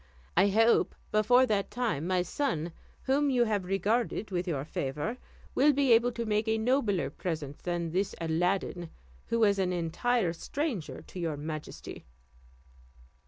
I hope, before that time, my son, whom you have regarded with your favour, will be able to make a nobler present than this Aladdin, who is an entire stranger to your majesty."